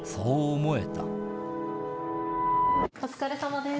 思えたお疲れさまです。